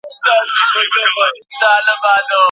ماشومان کله واکسین کیږي؟